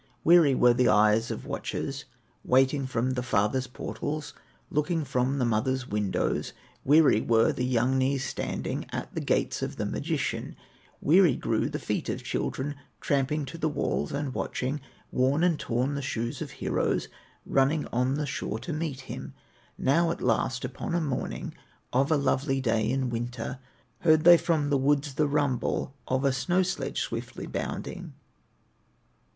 Weary were the eyes of watchers, Waiting from the father's portals, Looking from the mother's windows; Weary were the young knees standing At the gates of the magician; Weary grew the feet of children, Tramping to the walls and watching; Worn and torn, the shoes of heroes, Running on the shore to meet him. Now at last upon a morning Of a lovely day in winter, Heard they from the woods the rumble Of a snow sledge swiftly bounding.